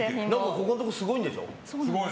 ここのところすごいんでしょ。